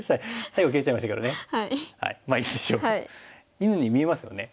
犬に見えますよね。